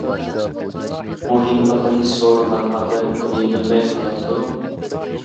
مۇھىملىقىنى سورىغان ئادەم ئۇنى بىلمەي قالامدۇ.